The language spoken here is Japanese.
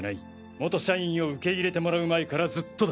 元社員を受け入れてもらう前からずっとだ。